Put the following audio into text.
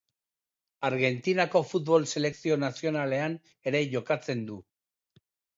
Argentinako futbol selekzio nazionalean ere jokatzen du.